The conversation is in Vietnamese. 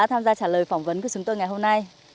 đã tham gia trả lời phỏng vấn của chúng tôi ngày hôm nay